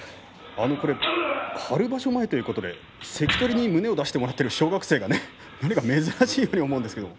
春場所前ということで関取に胸を出してもらってる小学生珍しいように思うんですけど。